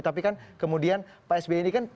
tapi kan kemudian pak sby ini kan